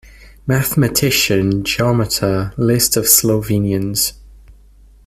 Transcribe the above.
Mathematician, Geometer, List of Slovenians.